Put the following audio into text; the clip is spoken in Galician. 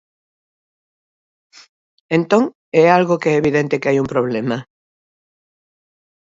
Entón, é algo que é evidente que hai un problema.